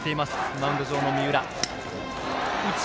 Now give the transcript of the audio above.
マウンド上の三浦。